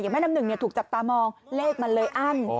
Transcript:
แม่น้ำหนึ่งถูกจับตามองเลขมันเลยอั้น